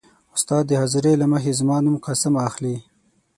. استاد د حاضرۍ له مخې زما نوم «قاسم» اخلي.